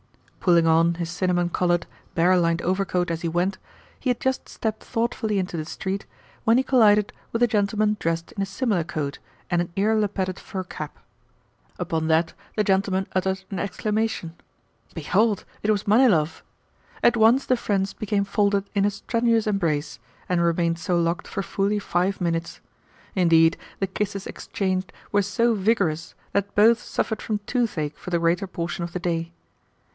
Pulling on his cinnamon coloured, bear lined overcoat as he went, he had just stepped thoughtfully into the street when he collided with a gentleman dressed in a similar coat and an ear lappeted fur cap. Upon that the gentleman uttered an exclamation. Behold, it was Manilov! At once the friends became folded in a strenuous embrace, and remained so locked for fully five minutes. Indeed, the kisses exchanged were so vigorous that both suffered from toothache for the greater portion of the day.